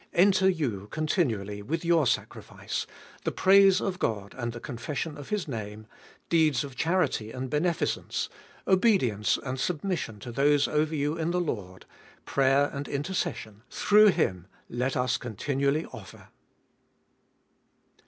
Enter you continually with your sacrifice — the praise of God and the confession of His name; deeds of charity and beneficence; 536 Gbe fjoliest of ail obedience and submission to those over you in the Lord ; prayer and intercession — through Him let us continually offer.